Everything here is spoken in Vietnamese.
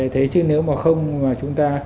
thế chứ nếu mà không mà chúng ta